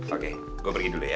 oke gue pergi dulu ya